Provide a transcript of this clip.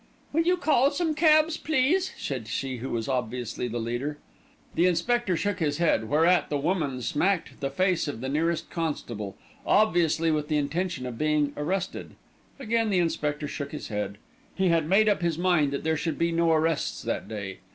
"Will you call some cabs, please," said she who was obviously the leader. The inspector shook his head, whereat the woman smacked the face of the nearest constable, obviously with the intention of being arrested. Again the inspector shook his head. He had made up his mind that there should be no arrests that day.